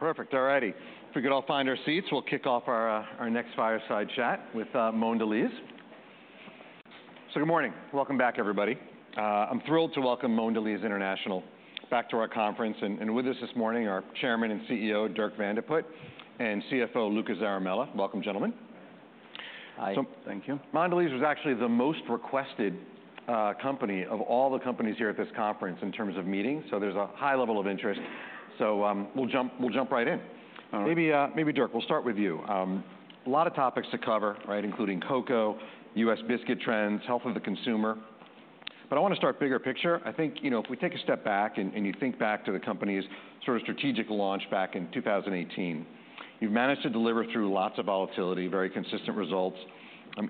Perfect. All righty. If we could all find our seats, we'll kick off our next fireside chat with Mondelez. So good morning. Welcome back, everybody. I'm thrilled to welcome Mondelez International back to our conference, and with us this morning, our Chairman and CEO, Dirk Van de Put, and CFO, Luca Zaramella. Welcome, gentlemen. Hi. Thank you. Mondelez was actually the most requested company of all the companies here at this conference in terms of meeting, so there's a high level of interest. So, we'll jump right in. All right. Maybe, maybe, Dirk, we'll start with you. A lot of topics to cover, right? Including cocoa, U.S. biscuit trends, health of the consumer, but I want to start bigger picture. I think, you know, if we take a step back and you think back to the company's sort of strategic launch back in 2018, you've managed to deliver through lots of volatility, very consistent results,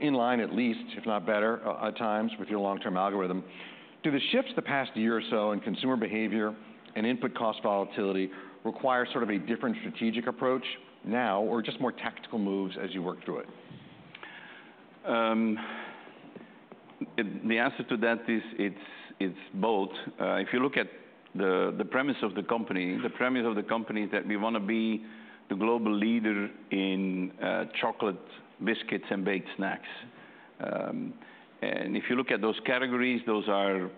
in line, at least, if not better, at times, with your long-term algorithm. Do the shifts the past year or so in consumer behavior and input cost volatility require sort of a different strategic approach now, or just more tactical moves as you work through it? The answer to that is it's both. If you look at the premise of the company, the premise of the company is that we want to be the global leader in chocolate, biscuits, and baked snacks. And if you look at those categories, those are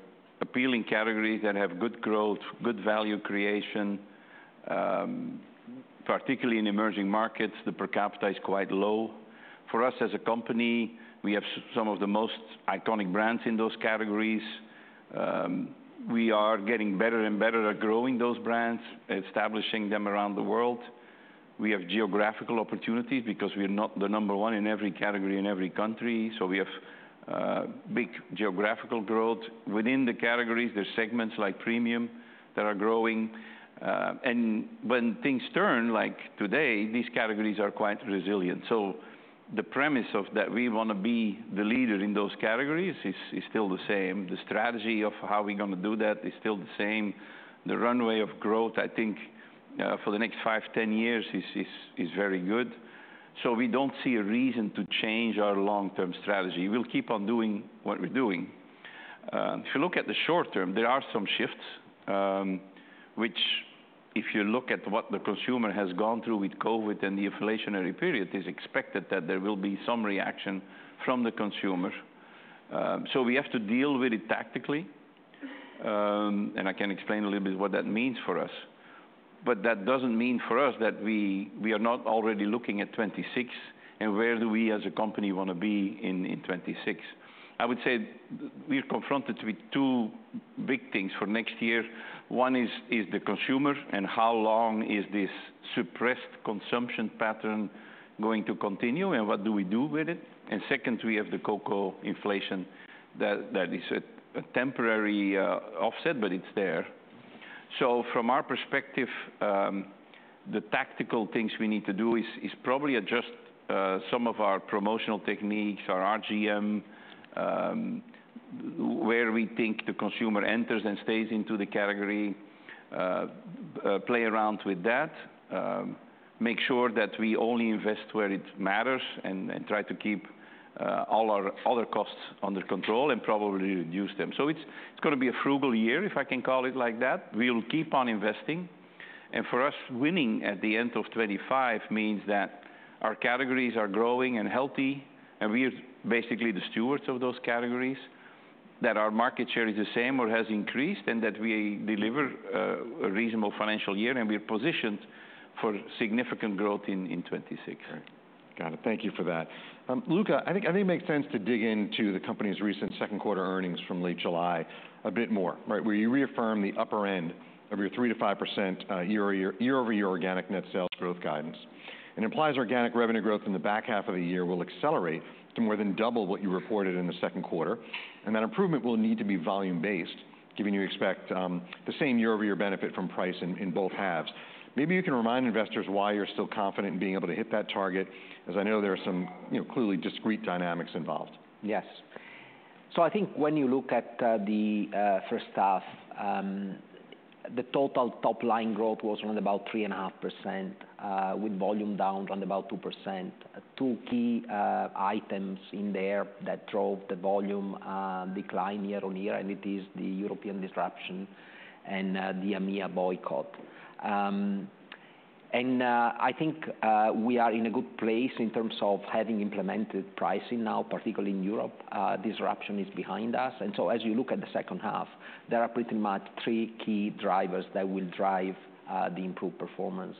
appealing categories that have good growth, good value creation, particularly in emerging markets, the per capita is quite low. For us, as a company, we have some of the most iconic brands in those categories. We are getting better and better at growing those brands, establishing them around the world. We have geographical opportunities because we are not the number one in every category in every country, so we have big geographical growth. Within the categories, there's segments like premium that are growing, and when things turn, like today, these categories are quite resilient. So the premise of that we want to be the leader in those categories is still the same. The strategy of how we're going to do that is still the same. The runway of growth, I think, for the next five, 10 years is very good. So we don't see a reason to change our long-term strategy. We'll keep on doing what we're doing. If you look at the short term, there are some shifts, which if you look at what the consumer has gone through with COVID and the inflationary period, it's expected that there will be some reaction from the consumer. So we have to deal with it tactically, and I can explain a little bit what that means for us. But that doesn't mean for us that we are not already looking at 2026, and where do we as a company want to be in 2026. I would say we're confronted with two big things for next year. One is the consumer, and how long is this suppressed consumption pattern going to continue, and what do we do with it? Second, we have the cocoa inflation that is a temporary offset, but it's there, so from our perspective, the tactical things we need to do is probably adjust some of our promotional techniques, our RGM, where we think the consumer enters and stays into the category, play around with that. Make sure that we only invest where it matters and try to keep all our other costs under control and probably reduce them. So it's gonna be a frugal year, if I can call it like that. We'll keep on investing, and for us, winning at the end of 2025 means that our categories are growing and healthy, and we are basically the stewards of those categories, that our market share is the same or has increased, and that we deliver a reasonable financial year, and we are positioned for significant growth in 2026. Right. Got it. Thank you for that. Luca, I think it makes sense to dig into the company's recent second quarter earnings from late July a bit more, right? Where you reaffirm the upper end of your 3%-5% year-over-year organic net sales growth guidance. It implies organic revenue growth in the back half of the year will accelerate to more than double what you reported in the second quarter, and that improvement will need to be volume-based, given you expect the same year-over-year benefit from price in both halves. Maybe you can remind investors why you're still confident in being able to hit that target, as I know there are some, you know, clearly discrete dynamics involved. Yes. So I think when you look at the first half, the total top-line growth was around about 3.5%, with volume down around about 2%. Two key items in there that drove the volume decline year on year, and it is the European disruption and the EMEA boycott, and I think we are in a good place in terms of having implemented pricing now, particularly in Europe. Disruption is behind us, and so as you look at the second half, there are pretty much three key drivers that will drive the improved performance.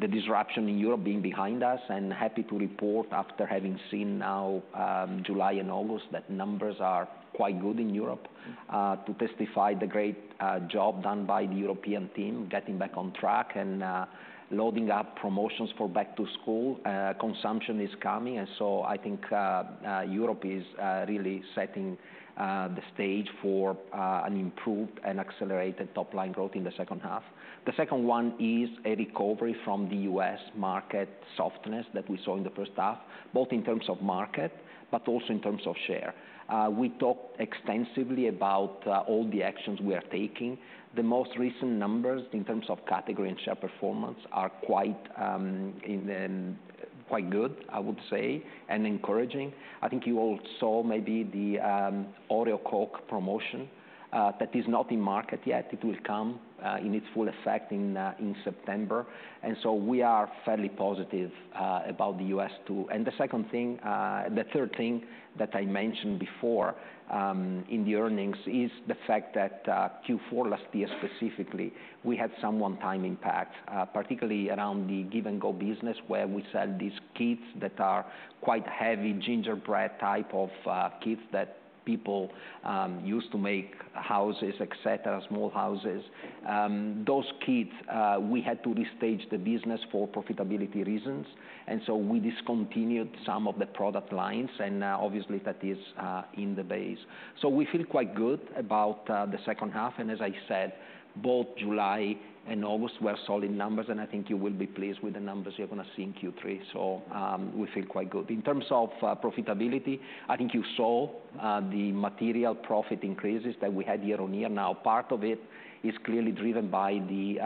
The disruption in Europe being behind us, and happy to report after having seen now, July and August, that numbers are quite good in Europe, to testify the great job done by the European team, getting back on track and loading up promotions for back to school. Consumption is coming, and so I think Europe is really setting the stage for an improved and accelerated top-line growth in the second half. The second one is a recovery from the U.S. market softness that we saw in the first half, both in terms of market, but also in terms of share. We talked extensively about all the actions we are taking. The most recent numbers, in terms of category and share performance, are quite quite good, I would say, and encouraging. I think you all saw maybe the Oreo Coke promotion that is not in market yet. It will come in its full effect in September. And so we are fairly positive about the U.S., too. And the second thing, the third thing that I mentioned before in the earnings is the fact that Q4 last year specifically, we had some one-time impact particularly around the Give & Go business, where we sell these kits that are quite heavy, gingerbread type of kits that people use to make houses, et cetera, small houses. Those kits, we had to restage the business for profitability reasons, and so we discontinued some of the product lines, and now obviously that is in the base. So we feel quite good about the second half, and as I said, both July and August were solid numbers, and I think you will be pleased with the numbers you're gonna see in Q3. So we feel quite good. In terms of profitability, I think you saw the material profit increases that we had year on year. Now, part of it is clearly driven by the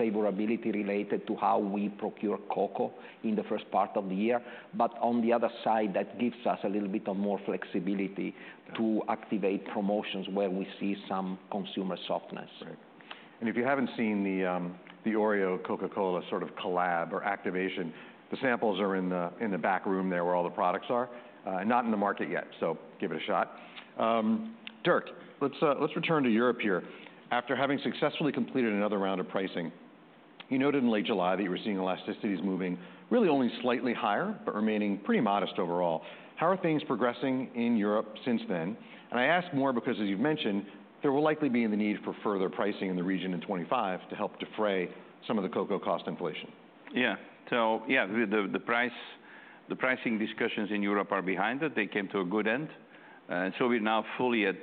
favorability related to how we procure cocoa in the first part of the year. But on the other side, that gives us a little bit of more flexibility to activate promotions where we see some consumer softness. Right. And if you haven't seen the Oreo Coca-Cola sort of collab or activation, the samples are in the back room there, where all the products are. Not in the market yet, so give it a shot. Dirk, let's return to Europe here. After having successfully completed another round of pricing, you noted in late July that you were seeing elasticities moving really only slightly higher, but remaining pretty modest overall. How are things progressing in Europe since then? And I ask more because, as you've mentioned, there will likely be the need for further pricing in the region in 2025 to help defray some of the cocoa cost inflation. Yeah. So, yeah, the pricing discussions in Europe are behind it. They came to a good end. So we're now fully at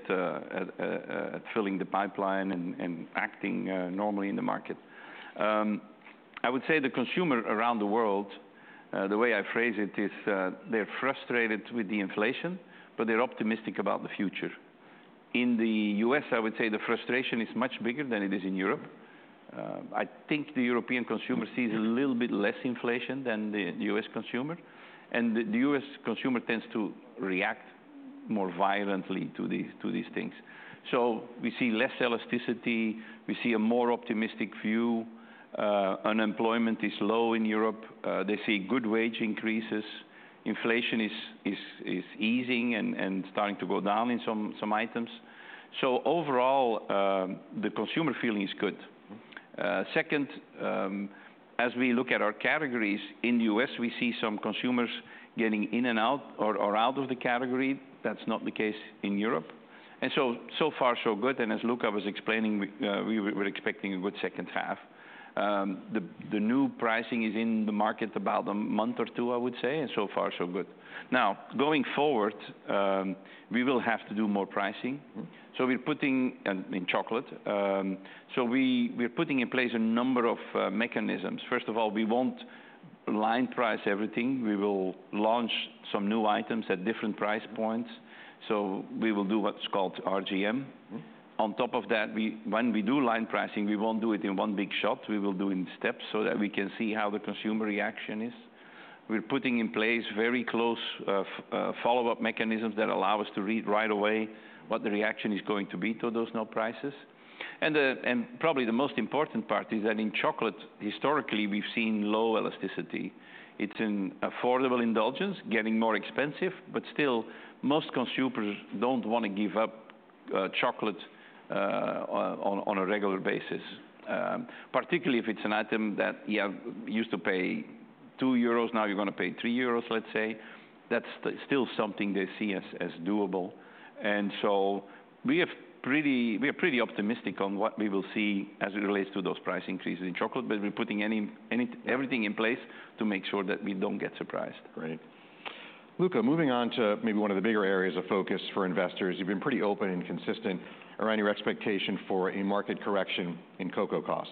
filling the pipeline and acting normally in the market. I would say the consumer around the world, the way I phrase it is, they're frustrated with the inflation, but they're optimistic about the future. In the U.S., I would say the frustration is much bigger than it is in Europe. I think the European consumer sees a little bit less inflation than the U.S. consumer, and the U.S. consumer tends to react more violently to these things, so we see less elasticity, we see a more optimistic view. Unemployment is low in Europe. They see good wage increases. Inflation is easing and starting to go down in some items. So overall, the consumer feeling is good. Mm-hmm. Second, as we look at our categories, in the U.S., we see some consumers getting in and out or out of the category. That's not the case in Europe. And so far so good, and as Luca was explaining, we're expecting a good second half. The new pricing is in the market about a month or two, I would say, and so far so good. Now, going forward, we will have to do more pricing. Mm. We're putting in chocolate. We're putting in place a number of mechanisms. First of all, we won't line price everything. We will launch some new items at different price points, so we will do what's called RGM. Mm. On top of that, when we do line pricing, we won't do it in one big shot. We will do in steps so that we can see how the consumer reaction is. We're putting in place very close, follow-up mechanisms that allow us to read right away what the reaction is going to be to those new prices. And probably the most important part is that in chocolate, historically, we've seen low elasticity. It's an affordable indulgence, getting more expensive, but still, most consumers don't want to give up, chocolate, on a regular basis. Particularly if it's an item that you used to pay 2 euros, now you're gonna pay 3 euros, let's say. That's still something they see as, as doable. We are pretty optimistic on what we will see as it relates to those price increases in chocolate, but we're putting anything and everything in place to make sure that we don't get surprised. Great. Luca, moving on to maybe one of the bigger areas of focus for investors, you've been pretty open and consistent around your expectation for a market correction in cocoa costs,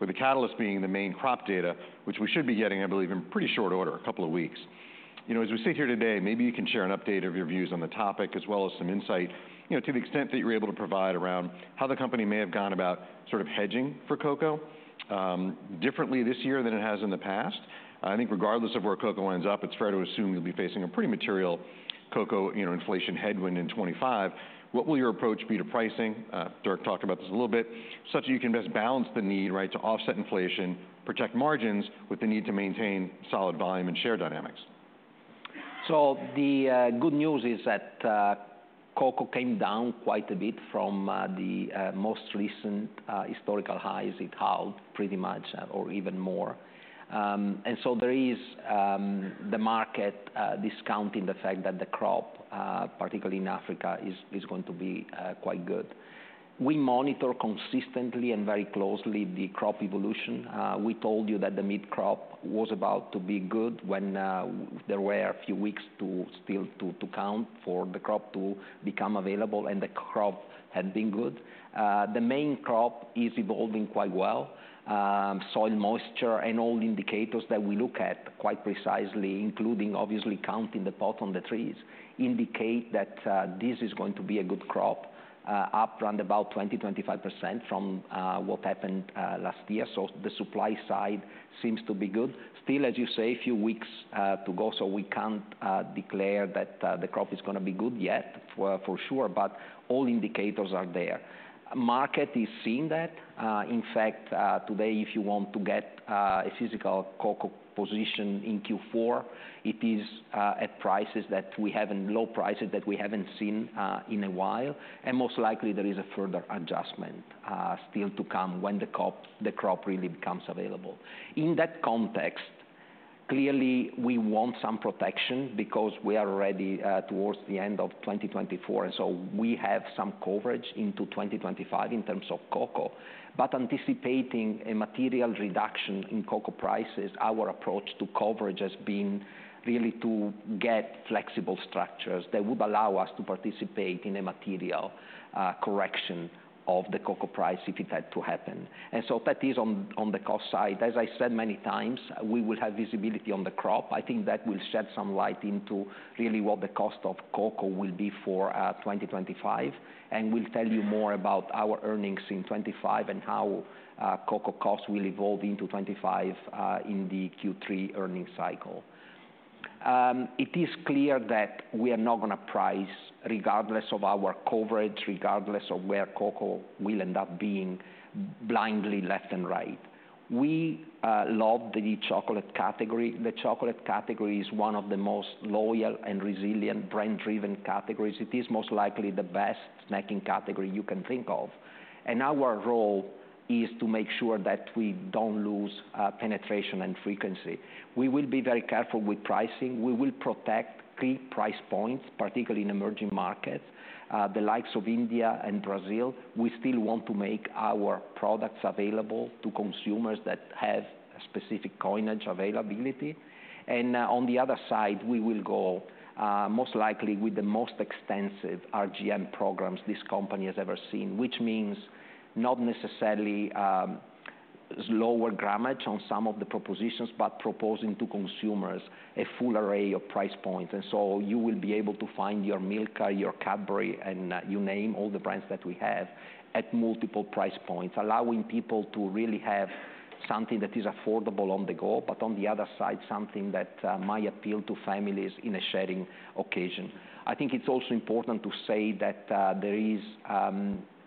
with the catalyst being the main crop data, which we should be getting, I believe, in pretty short order, a couple of weeks. You know, as we sit here today, maybe you can share an update of your views on the topic, as well as some insight, you know, to the extent that you're able to provide, around how the company may have gone about sort of hedging for cocoa differently this year than it has in the past. I think regardless of where cocoa ends up, it's fair to assume you'll be facing a pretty material cocoa, you know, inflation headwind in 2025. What will your approach be to pricing? Dirk talked about this a little bit, such that you can best balance the need, right, to offset inflation, protect margins, with the need to maintain solid volume and share dynamics? So the good news is that cocoa came down quite a bit from the most recent historical highs. It held pretty much or even more. And so there is the market discounting the fact that the crop particularly in Africa is going to be quite good. We monitor consistently and very closely the crop evolution. We told you that the mid-crop was about to be good when there were a few weeks still to count for the crop to become available, and the crop had been good. The main crop is evolving quite well. Soil moisture and all indicators that we look at quite precisely, including obviously counting the pod on the trees, indicate that this is going to be a good crop up around about 20-25% from what happened last year. So the supply side seems to be good. Still, as you say, a few weeks to go, so we can't declare that the crop is gonna be good yet for sure, but all indicators are there. Market is seeing that. In fact, today, if you want to get a physical cocoa position in Q4, it is at low prices that we haven't seen in a while, and most likely, there is a further adjustment still to come when the crop really becomes available. In that context, clearly, we want some protection because we are already towards the end of twenty twenty-four, and so we have some coverage into twenty twenty-five in terms of cocoa. But anticipating a material reduction in cocoa prices, our approach to coverage has been really to get flexible structures that would allow us to participate in a material correction of the cocoa price if it had to happen. And so that is on the cost side. As I said many times, we will have visibility on the crop. I think that will shed some light into really what the cost of cocoa will be for twenty twenty-five, and we'll tell you more about our earnings in twenty five and how cocoa costs will evolve into twenty five in the Q3 earnings cycle. It is clear that we are not going to price regardless of our coverage, regardless of where cocoa will end up being, blindly left and right. We love the chocolate category. The chocolate category is one of the most loyal and resilient brand-driven categories. It is most likely the best snacking category you can think of, and our role is to make sure that we don't lose penetration and frequency. We will be very careful with pricing. We will protect key price points, particularly in emerging markets, the likes of India and Brazil. We still want to make our products available to consumers that have a specific coinage availability. On the other side, we will go, most likely with the most extensive RGM programs this company has ever seen, which means not necessarily lower grammage on some of the propositions, but proposing to consumers a full array of price points. So you will be able to find your Milka, your Cadbury, and you name all the brands that we have, at multiple price points, allowing people to really have something that is affordable on the go, but on the other side, something that might appeal to families in a sharing occasion. I think it's also important to say that there is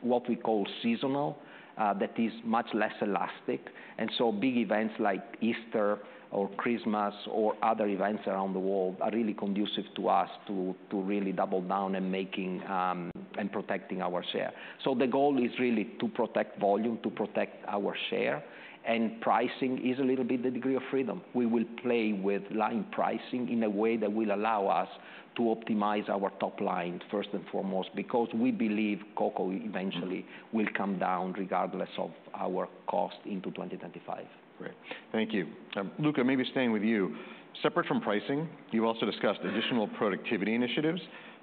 what we call seasonal that is much less elastic, and so big events like Easter or Christmas or other events around the world are really conducive to us to really double down and making and protecting our share. So the goal is really to protect volume, to protect our share, and pricing is a little bit the degree of freedom. We will play with line pricing in a way that will allow us to optimize our top line first and foremost, because we believe cocoa eventually will come down regardless of our cost into twenty twenty-five. Great. Thank you. Luca, maybe staying with you. Separate from pricing, you also discussed additional productivity initiatives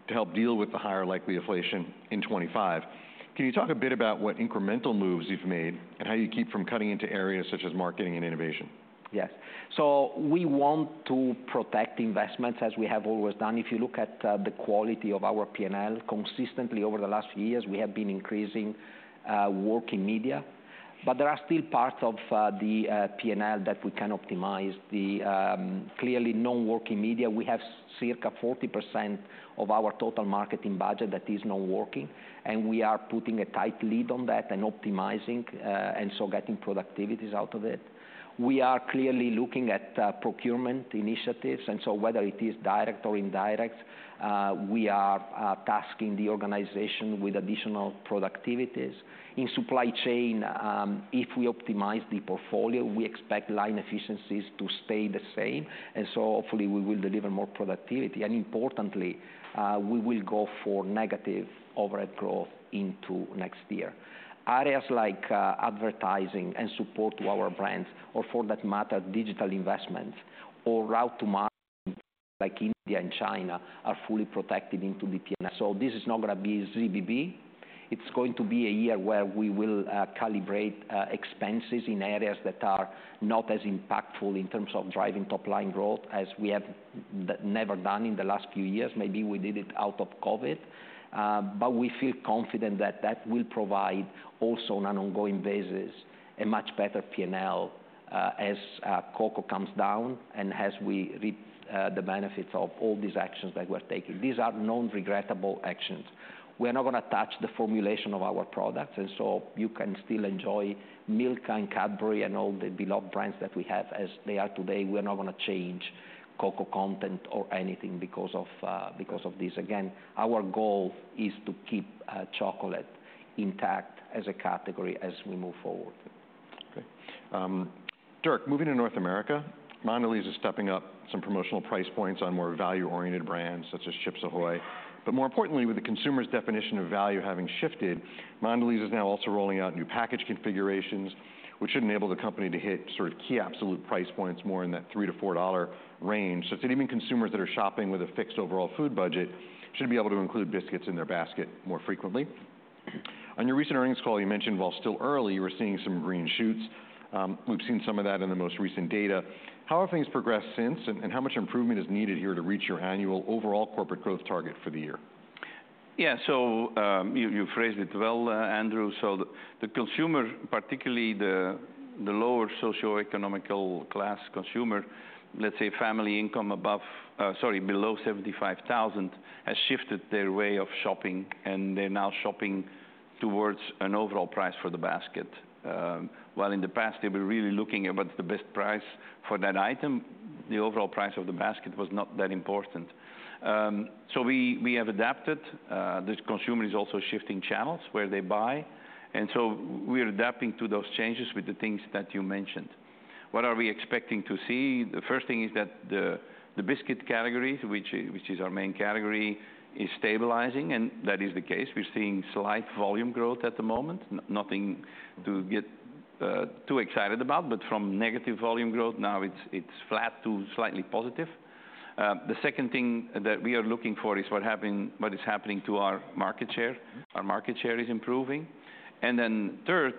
to help deal with the higher likely inflation in 2025. Can you talk a bit about what incremental moves you've made and how you keep from cutting into areas such as marketing and innovation? Yes, so we want to protect investments as we have always done. If you look at the quality of our P&L, consistently over the last few years, we have been increasing working media, but there are still parts of the P&L that we can optimize. Clearly, non-working media, we have circa 40% of our total marketing budget that is not working, and we are putting a tight lid on that and optimizing, and so getting productivities out of it. We are clearly looking at procurement initiatives, and so whether it is direct or indirect, we are tasking the organization with additional productivities. In supply chain, if we optimize the portfolio, we expect line efficiencies to stay the same, and so hopefully, we will deliver more productivity. And importantly, we will go for negative overhead growth into next year. Areas like advertising and support to our brands, or for that matter, digital investments or route to market, like India and China, are fully protected into the P&L. So this is not going to be ZBB. It's going to be a year where we will calibrate expenses in areas that are not as impactful in terms of driving top-line growth as we have never done in the last few years. Maybe we did it out of COVID, but we feel confident that that will provide also, on an ongoing basis, a much better P&L, as cocoa comes down and as we reap the benefits of all these actions that we're taking. These are non-regrettable actions. We are not going to touch the formulation of our products, and so you can still enjoy Milka and Cadbury and all the beloved brands that we have as they are today. We are not going to change cocoa content or anything because of this. Again, our goal is to keep chocolate intact as a category as we move forward. Great. Dirk, moving to North America, Mondelez is stepping up some promotional price points on more value-oriented brands, such as Chips Ahoy! But more importantly, with the consumer's definition of value having shifted, Mondelez is now also rolling out new package configurations, which should enable the company to hit sort of key absolute price points more in that $3-$4 range. So it's even consumers that are shopping with a fixed overall food budget should be able to include biscuits in their basket more frequently. On your recent earnings call, you mentioned, while still early, you were seeing some green shoots. We've seen some of that in the most recent data. How have things progressed since, and how much improvement is needed here to reach your annual overall corporate growth target for the year? Yeah. You phrased it well, Andrew. The consumer, particularly the lower socioeconomic class consumer, let's say family income below seventy-five thousand, has shifted their way of shopping, and they're now shopping towards an overall price for the basket. While in the past, they were really looking at the best price for that item, the overall price of the basket was not that important. We have adapted. This consumer is also shifting channels where they buy, and we're adapting to those changes with the things that you mentioned. What are we expecting to see? The first thing is that the biscuit categories, which is our main category, is stabilizing, and that is the case. We're seeing slight volume growth at the moment, nothing to get too excited about, but from negative volume growth, now it's flat to slightly positive. The second thing that we are looking for is what is happening to our market share. Our market share is improving. And then third,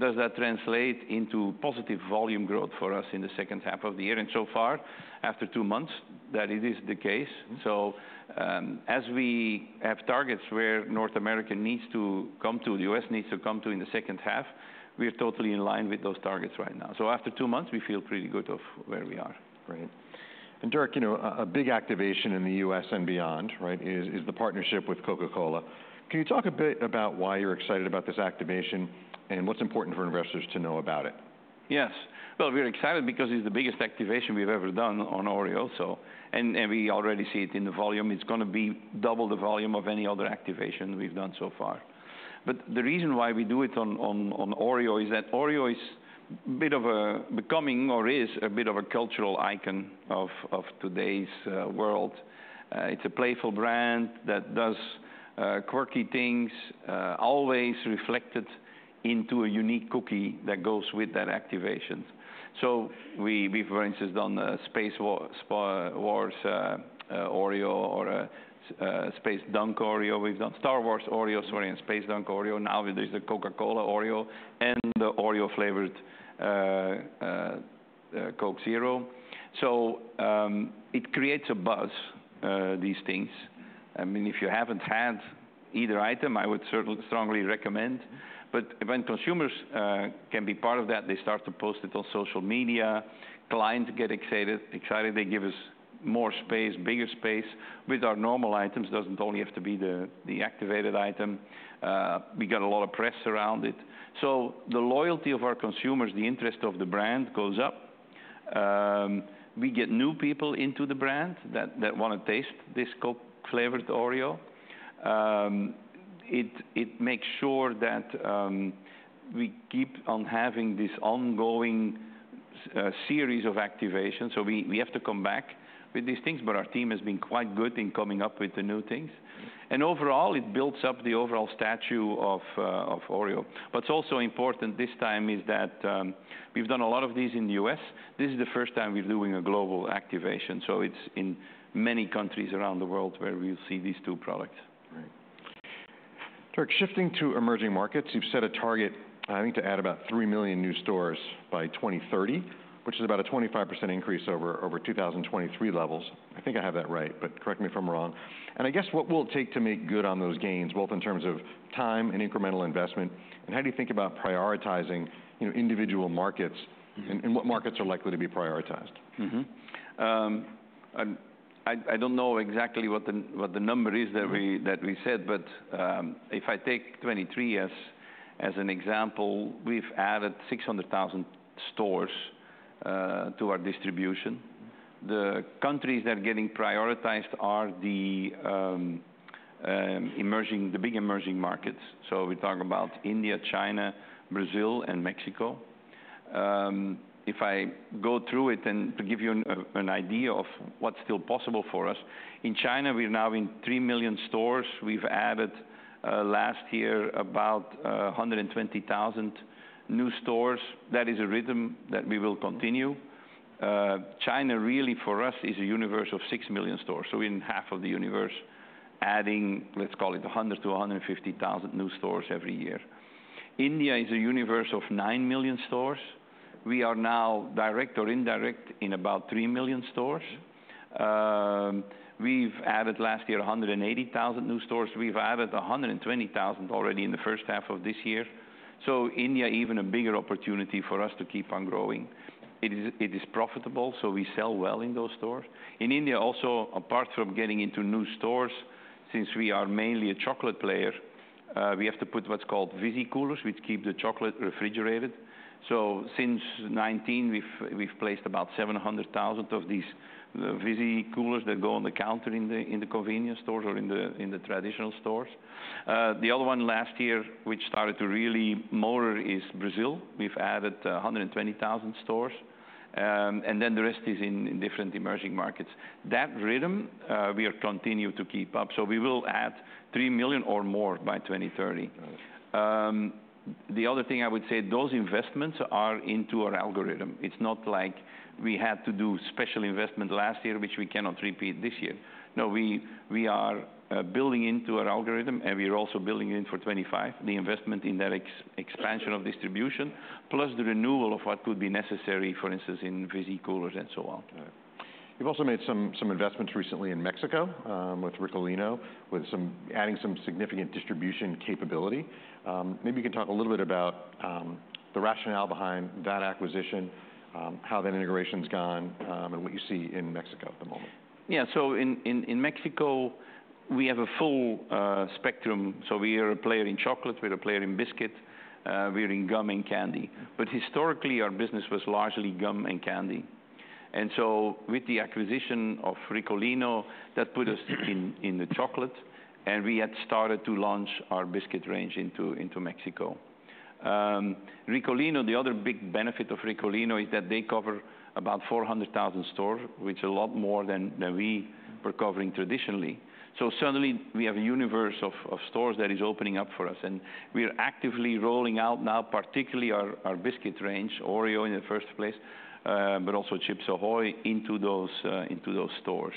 does that translate into positive volume growth for us in the second half of the year? And so far, after two months, that it is the case. So, as we have targets where North America needs to come to, the U.S. needs to come to in the second half, we are totally in line with those targets right now. So after two months, we feel pretty good of where we are. Great. And Dirk, you know, a big activation in the U.S. and beyond, right, is the partnership with Coca-Cola. Can you talk a bit about why you're excited about this activation, and what's important for investors to know about it? Yes. We are excited because it's the biggest activation we've ever done on Oreo, so and we already see it in the volume. It's gonna be double the volume of any other activation we've done so far. The reason why we do it on Oreo is that Oreo is a bit of a becoming or is a bit of a cultural icon of today's world. It's a playful brand that does quirky things always reflected into a unique cookie that goes with that activation. So, for instance, we've done a Star Wars Oreo or a Space Dunk Oreo. We've done Star Wars Oreos, sorry, and Space Dunk Oreo. Now there's the Coca-Cola Oreo and the Oreo flavored Coke Zero. So, it creates a buzz, these things. I mean, if you haven't had either item, I would strongly recommend. But when consumers can be part of that, they start to post it on social media, clients get excited. They give us more space, bigger space with our normal items. Doesn't only have to be the activated item. We get a lot of press around it. So the loyalty of our consumers, the interest of the brand goes up. We get new people into the brand that wanna taste this Coke-flavored Oreo. It makes sure that we keep on having this ongoing series of activations. So we have to come back with these things, but our team has been quite good in coming up with the new things. And overall, it builds up the overall stature of Oreo. What's also important this time is that, we've done a lot of these in the U.S. This is the first time we're doing a global activation, so it's in many countries around the world where we'll see these two products. Right. Dirk, shifting to emerging markets, you've set a target, I think, to add about three million new stores by 2030, which is about a 25% increase over 2023 levels. I think I have that right, but correct me if I'm wrong. I guess what will it take to make good on those gains, both in terms of time and incremental investment, and how do you think about prioritizing, you know, individual markets? Mm-hmm... and what markets are likely to be prioritized? Mm-hmm. I don't know exactly what the number is that we- Mm... that we said, but if I take 2023 as an example, we've added 600,000 stores to our distribution. The countries that are getting prioritized are the big emerging markets. So we talk about India, China, Brazil, and Mexico. If I go through it and to give you an idea of what's still possible for us, in China, we're now in 3 million stores. We've added last year about 120,000 new stores. That is a rhythm that we will continue. China, really, for us, is a universe of 6 million stores, so in half of the universe, adding, let's call it, 100,000 to 150,000 new stores every year. India is a universe of 9 million stores. We are now direct or indirect in about three million stores. We've added last year, 180,000 new stores. We've added 120,000 already in the first half of this year. So India, even a bigger opportunity for us to keep on growing. It is, it is profitable, so we sell well in those stores. In India, also, apart from getting into new stores, since we are mainly a chocolate player, we have to put what's called Visicoolers, which keep the chocolate refrigerated. So since 2019, we've placed about 700,000 of these, the Visicoolers that go on the counter in the convenience stores or in the traditional stores. The other one last year, which started to really motor, is Brazil. We've added 120,000 stores, and then the rest is in different emerging markets. That rhythm we continue to keep up, so we will add 3 million or more by 2030. Got it. The other thing I would say, those investments are into our algorithm. It's not like we had to do special investment last year, which we cannot repeat this year. No, we are building into our algorithm, and we are also building in for 2025, the investment in that expansion of distribution, plus the renewal of what could be necessary, for instance, in Visicoolers and so on. Right. You've also made some investments recently in Mexico, with Ricolino, adding some significant distribution capability. Maybe you can talk a little bit about the rationale behind that acquisition, how that integration's gone, and what you see in Mexico at the moment. Yeah. So in Mexico, we have a full spectrum, so we are a player in chocolate, we're a player in biscuit, we're in gum and candy. But historically, our business was largely gum and candy. And so with the acquisition of Ricolino, that put us in the chocolate, and we had started to launch our biscuit range into Mexico. Ricolino, the other big benefit of Ricolino is that they cover about 400,000 stores, which a lot more than we were covering traditionally. So suddenly, we have a universe of stores that is opening up for us, and we are actively rolling out now, particularly our biscuit range, Oreo, in the first place, but also Chips Ahoy, into those stores.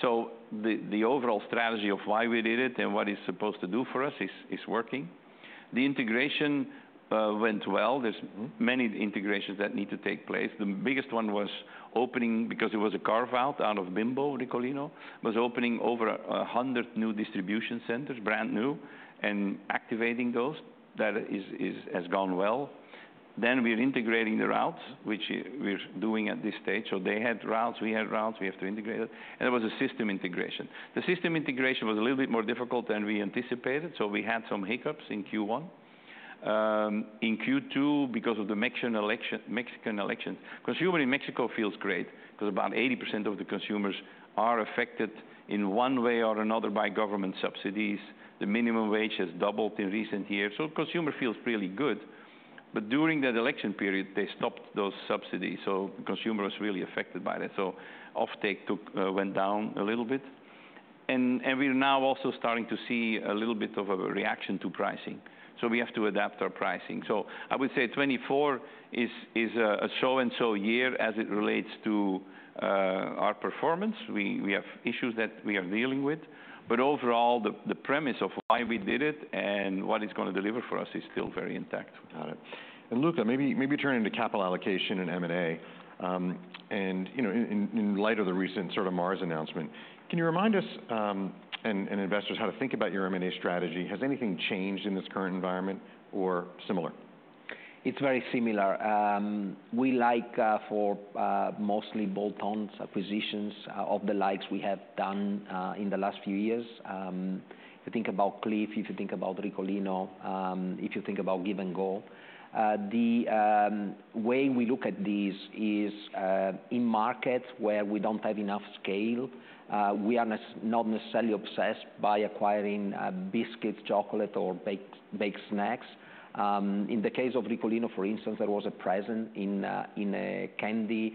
So the overall strategy of why we did it and what it's supposed to do for us is working. The integration went well. There's many integrations that need to take place. The biggest one was opening. Because it was a carve-out out of Bimbo, Ricolino was opening over 100 new distribution centers, brand new, and activating those. That has gone well. Then we are integrating the routes, which we're doing at this stage. So they had routes, we had routes, we have to integrate it, and there was a system integration. The system integration was a little bit more difficult than we anticipated, so we had some hiccups in Q1. In Q2, because of the Mexican election, consumer in Mexico feels great because about 80% of the consumers are affected in one way or another by government subsidies. The minimum wage has doubled in recent years, so consumer feels really good, but during that election period, they stopped those subsidies, so consumer was really affected by that. So offtake went down a little bit, and we're now also starting to see a little bit of a reaction to pricing, so we have to adapt our pricing. So I would say 2024 is a so-and-so year as it relates to our performance. We have issues that we are dealing with, but overall, the premise of why we did it and what it's gonna deliver for us is still very intact. Got it. And Luca, maybe turn into capital allocation and M&A. And, you know, in light of the recent sort of Mars announcement, can you remind us and investors how to think about your M&A strategy? Has anything changed in this current environment or similar? It's very similar. We like, for, mostly bolt-ons acquisitions, of the likes we have done, in the last few years. If you think about Clif, if you think about Ricolino, if you think about Give and Go. The way we look at these is, in markets where we don't have enough scale, we are not necessarily obsessed by acquiring, biscuits, chocolate or baked snacks. In the case of Ricolino, for instance, there was a presence in a candy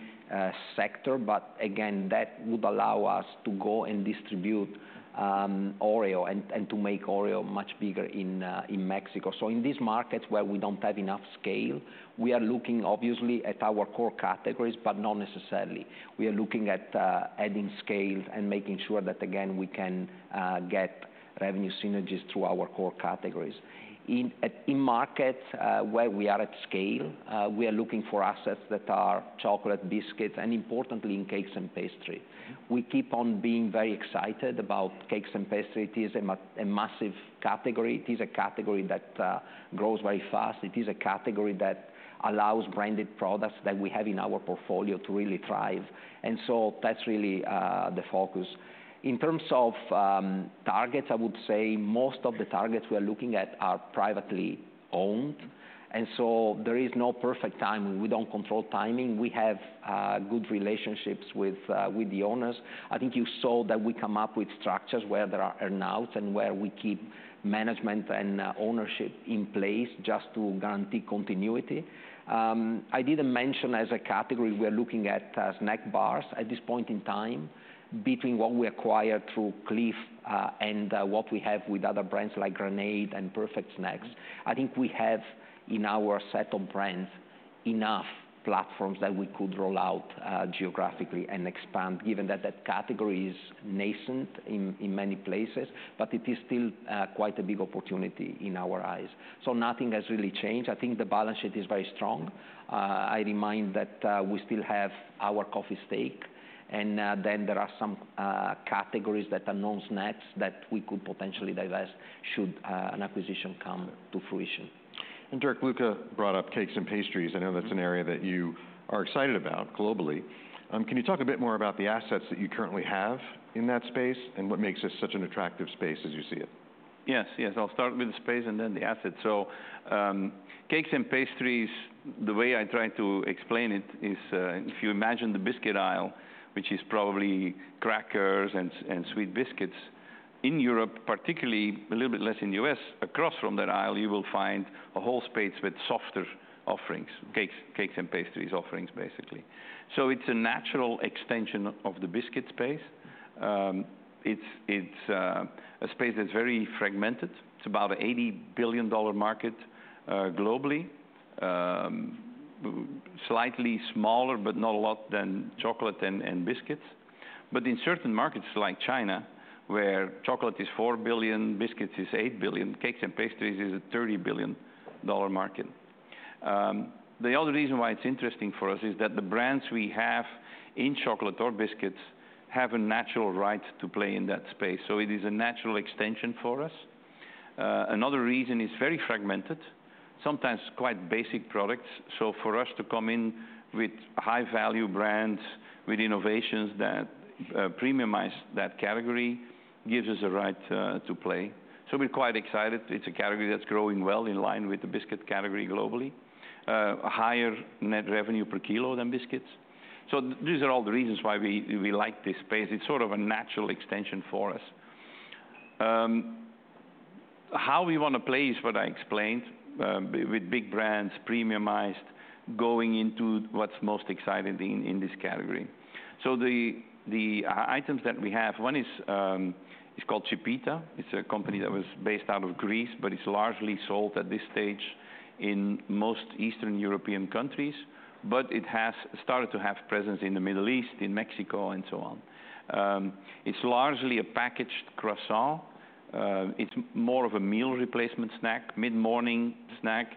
sector, but again, that would allow us to go and distribute, Oreo and to make Oreo much bigger in Mexico. So in these markets where we don't have enough scale, we are looking obviously at our core categories, but not necessarily. We are looking at adding scale and making sure that, again, we can get revenue synergies through our core categories. In markets where we are at scale, we are looking for assets that are chocolate, biscuits, and importantly, in cakes and pastry. We keep on being very excited about cakes and pastry. It is a massive category. It is a category that grows very fast. It is a category that allows branded products that we have in our portfolio to really thrive. And so that's really the focus. In terms of targets, I would say most of the targets we are looking at are privately owned, and so there is no perfect timing. We don't control timing. We have good relationships with the owners. I think you saw that we come up with structures where there are earn-outs and where we keep management and ownership in place just to guarantee continuity. I didn't mention as a category, we are looking at snack bars at this point in time. Between what we acquired through Clif and what we have with other brands like Grenade and Perfect Snacks, I think we have, in our set of brands, enough platforms that we could roll out geographically and expand, given that that category is nascent in many places, but it is still quite a big opportunity in our eyes. So nothing has really changed. I think the balance sheet is very strong. I remind that we still have our coffee stake, and then there are some categories that are non-snacks that we could potentially divest should an acquisition come to fruition. Dirk, Luca brought up cakes and pastries. I know that's an area that you are excited about globally. Can you talk a bit more about the assets that you currently have in that space, and what makes this such an attractive space as you see it? Yes, yes. I'll start with the space and then the assets. So, cakes and pastries, the way I try to explain it is, if you imagine the biscuit aisle, which is probably crackers and sweet biscuits, in Europe, particularly a little bit less in the U.S., across from that aisle, you will find a whole space with softer offerings, cakes and pastries offerings, basically. So it's a natural extension of the biscuit space. It's a space that's very fragmented. It's about $80 billion market, globally. Slightly smaller, but not a lot, than chocolate and biscuits. But in certain markets like China, where chocolate is $4 billion, biscuits is $8 billion, cakes and pastries is a $30 billion market. The other reason why it's interesting for us is that the brands we have in chocolate or biscuits have a natural right to play in that space, so it is a natural extension for us. Another reason, it's very fragmented, sometimes quite basic products. So for us to come in with high-value brands, with innovations that premiumize that category, gives us a right to play. So we're quite excited. It's a category that's growing well, in line with the biscuit category globally. Higher net revenue per kilo than biscuits. So these are all the reasons why we like this space. It's sort of a natural extension for us. How we want to play is what I explained with big brands, premiumized, going into what's most exciting in this category. So the items that we have, one is, it's called Chipita. It's a company that was based out of Greece, but it's largely sold at this stage in most Eastern European countries, but it has started to have presence in the Middle East, in Mexico, and so on. It's largely a packaged croissant. It's more of a meal replacement snack, mid-morning snack,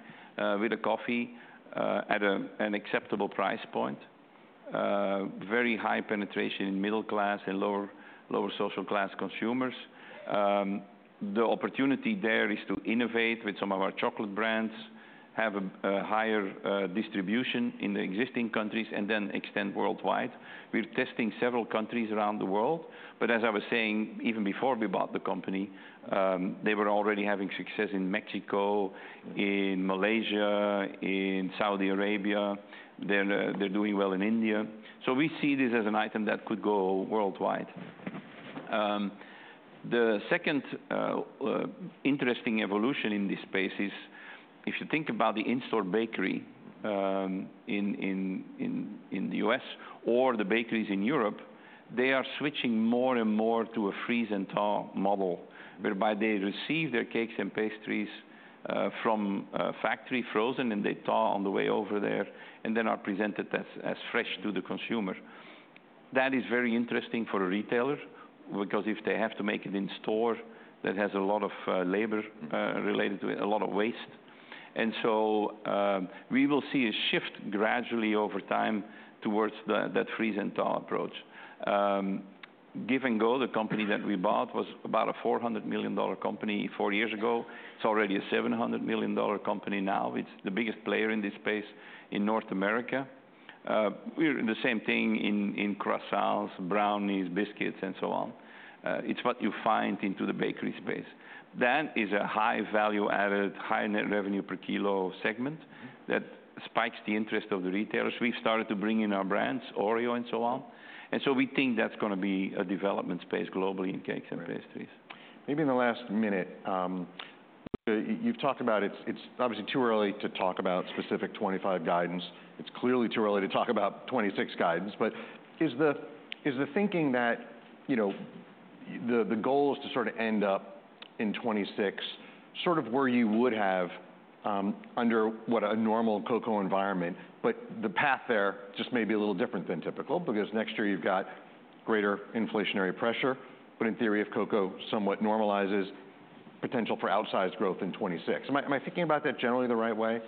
with a coffee, at an acceptable price point. Very high penetration in middle class and lower social class consumers. The opportunity there is to innovate with some of our chocolate brands, have a higher distribution in the existing countries, and then extend worldwide. We're testing several countries around the world, but as I was saying, even before we bought the company, they were already having success in Mexico, in Malaysia, in Saudi Arabia. They're doing well in India. So we see this as an item that could go worldwide. The second interesting evolution in this space is, if you think about the in-store bakery in the U.S. or the bakeries in Europe, they are switching more and more to a freeze and thaw model, whereby they receive their cakes and pastries from a factory, frozen, and they thaw on the way over there, and then are presented as fresh to the consumer. That is very interesting for a retailer, because if they have to make it in store, that has a lot of labor related to it, a lot of waste, and so we will see a shift gradually over time towards that freeze and thaw approach. Give & Go, the company that we bought, was about a $400 million company four years ago. It's already a $700 million company now. It's the biggest player in this space in North America. We're in the same thing in croissants, brownies, biscuits, and so on. It's what you find into the bakery space. That is a high value-added, high net revenue per kilo segment that spikes the interest of the retailers. We've started to bring in our brands, Oreo and so on, and so we think that's gonna be a development space globally in cakes and pastries. Right. Maybe in the last minute, you've talked about it. It's obviously too early to talk about specific 2025 guidance. It's clearly too early to talk about 2026 guidance, but is the thinking that, you know, the goal is to sort of end up in 2026, sort of where you would have under what a normal cocoa environment, but the path there just may be a little different than typical, because next year you've got greater inflationary pressure, but in theory, if cocoa somewhat normalizes, potential for outsized growth in 2026. Am I thinking about that generally the right way?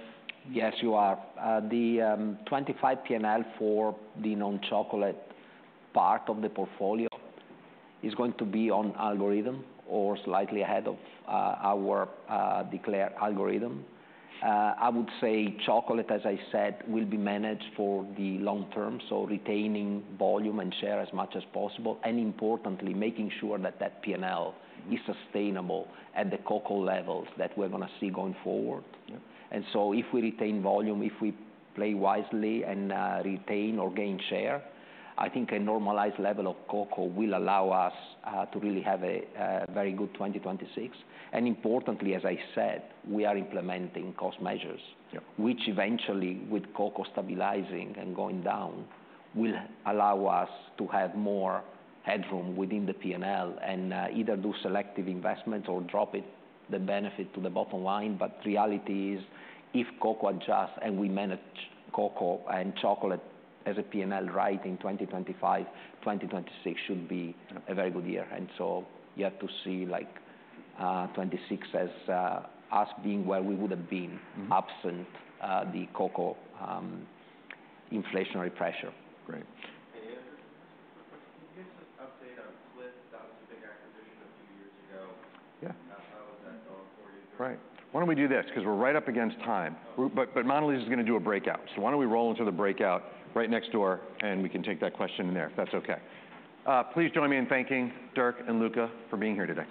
Yes, you are. The 2025 P&L for the non-chocolate part of the portfolio is going to be on algorithm or slightly ahead of our declared algorithm. I would say chocolate, as I said, will be managed for the long term, so retaining volume and share as much as possible, and importantly, making sure that that P&L is sustainable at the cocoa levels that we're gonna see going forward. Yeah. And so if we retain volume, if we play wisely and retain or gain share, I think a normalized level of cocoa will allow us to really have a very good 2026. And importantly, as I said, we are implementing cost measures- Yeah... which eventually, with cocoa stabilizing and going down, will allow us to have more headroom within the P&L and, either do selective investment or drop it, the benefit, to the bottom line. But the reality is, if cocoa adjusts and we manage cocoa and chocolate as a P&L right in 2025, 2026 should be- Yeah - A very good year, and so you have to see, like, 2026 as, us being where we would've been- Mm-hmm... absent the cocoa inflationary pressure. Great. Hey, can you give us an update on Clif? That was a big acquisition a few years ago. How is that going for you? Right. Why don't we do this, because we're right up against time. But Mondelēz is gonna do a breakout, so why don't we roll into the breakout right next door, and we can take that question in there, if that's okay? Please join me in thanking Dirk and Luca for being here today.